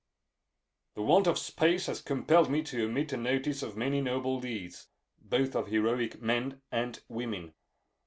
The want of space has compelled me to omit a notice of many noble deeds, both of heroic men and women.